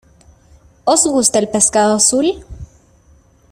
¿Os gusta el pescado azul?